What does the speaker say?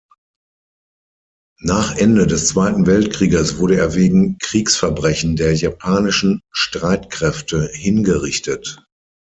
Nach Ende des Zweiten Weltkrieges wurde er wegen Kriegsverbrechen der japanischen Streitkräfte hingerichtet.